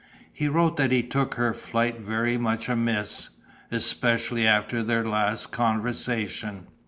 He wrote that he took her flight very much amiss, especially after their last conversation.